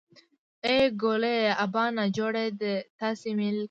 ای ګوليه ابا نا جوړه دی تاسې مېلې کوئ.